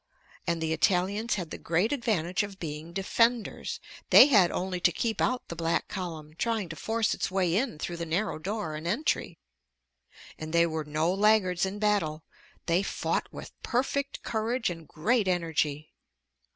And the Italians had the great advantage of being defenders. They had only to keep out the black column trying to force its way in through the narrow door and entry. And they were no laggards in battle. They fought with perfect courage and great energy.